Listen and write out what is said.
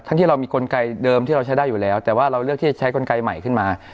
ที่เรามีกลไกเดิมที่เราใช้ได้อยู่แล้วแต่ว่าเราเลือกที่จะใช้กลไกใหม่ขึ้นมา